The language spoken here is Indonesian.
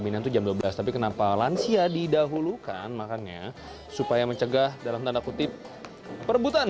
minian itu jam dua belas tapi kenapa lansia didahulukan makannya supaya mencegah dalam tanda kutip perebutan